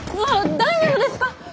大丈夫です。